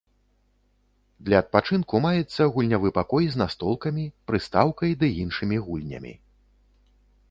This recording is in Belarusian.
Для адпачынку маецца гульнявы пакой з настолкамі, прыстаўкай ды іншымі гульнямі.